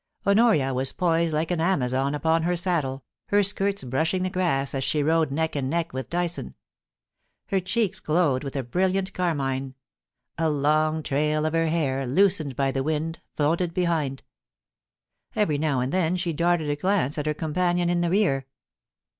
Honoria was poised like an Amazon upon her saddle, her skirts brushing the grass as she rode neck and neck with Dyson. Her cheeks glowed with a brilliant carmihe — a long trail of her hair, loosened by the wind, floated behind. Every now and then she darted a glance at her companion in the rear.